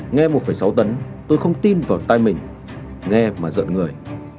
nghe một sáu tấn tôi không tin vào tay mình nghe mà giận người